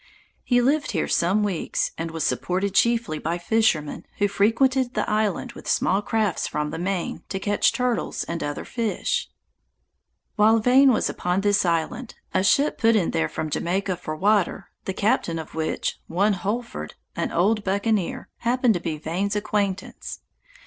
He lived here some weeks, and was supported chiefly by fishermen, who frequented the island with small crafts from the main, to catch turtles and other fish. [Illustration: Vane arrested by Captain Holford.] While Vane was upon this island, a ship put in there from Jamaica for water, the captain of which, one Holford, an old buccaneer, happened to be Vane's acquaintance.